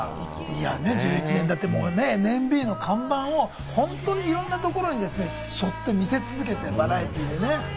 ＮＭＢの看板を本当にいろんなところに背負って見せ続けて、バラエティーでね。